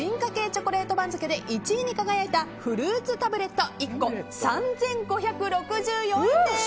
チョコレート番付で１位に輝いたフルーツタブレット１個３５６４円です。